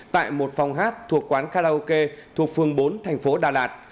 tại một phòng hát thuộc quán karaoke thuộc phương bốn thành phố đà lạt